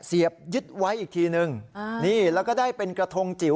เสียบยึดไว้อีกทีนึงนี่แล้วก็ได้เป็นกระทงจิ๋ว